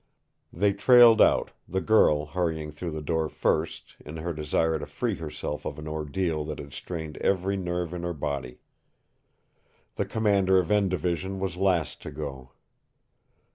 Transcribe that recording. They trailed out, the girl hurrying through the door first in her desire to free herself of an ordeal that had strained every nerve in her body. The commander of N Division was last to go.